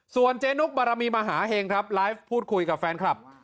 ส่วนเจนุกบารมีมหาเห็งครับไลฟ์พูดคุยกับแฟนคลับ